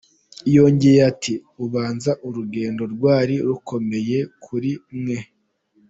Yongeye ati “Ubanza urugendo rwari rukomeye kuri mwe?.